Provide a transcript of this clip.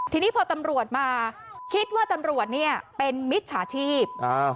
ทีนี้พอตำรวจมาคิดว่าตำรวจเนี่ยเป็นมิจฉาชีพ